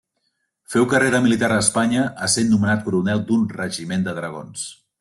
Féu carrera militar a Espanya essent nomenat coronel d'un regiment de dragons.